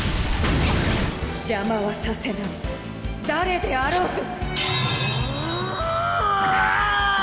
邪魔はさせない誰であろうと！